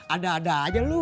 ada ada aja lu